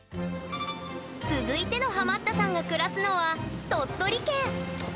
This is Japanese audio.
続いてのハマったさんが暮らすのは鳥取県！